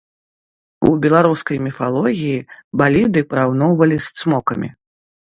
У беларускай міфалогіі баліды параўноўвалі з цмокамі.